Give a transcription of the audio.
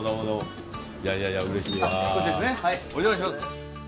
お邪魔します。